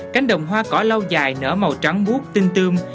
cánh đồng hoa cỏ lâu dài nở màu trắng bút tinh tươm